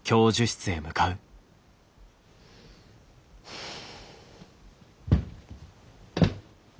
ふう。